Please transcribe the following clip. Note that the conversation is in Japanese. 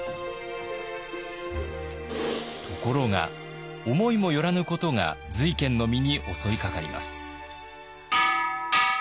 ところが思いも寄らぬことが瑞賢の身に襲いかかります。